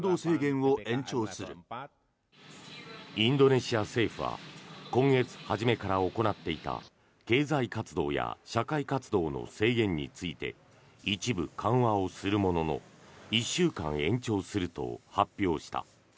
インドネシア政府は今月初めから行っていた経済活動や社会活動の制限について一部緩和をするものの１週間延長すると発表した。